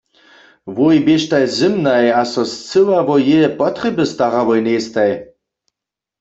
Wój běštaj zymnaj a so scyła wo jeje potrjeby starałoj njejstaj.